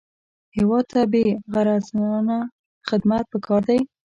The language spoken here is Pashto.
هېواد ته بېغرضانه خدمت پکار دی